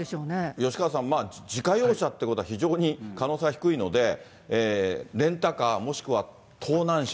吉川さん、自家用車ということは、非常に可能性が低いので、レンタカーもしくは盗難車？